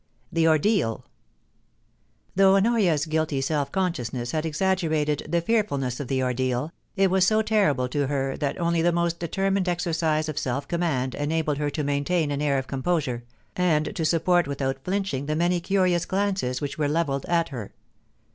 THE ORDEAU Though Honoria's guilty self consciousness had exaggerated the fearfulness of the ordeal, it was still so terrible to her that only the most determined exercise of self command en abled her to maintain an air of composure, and to support without flinching the many curious glances which were levelled at her.